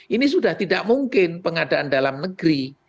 ini sudah tidak mungkin pengadaan dalam negeri